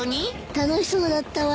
楽しそうだったわ。